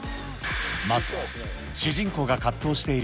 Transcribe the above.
まずは主人公が葛藤している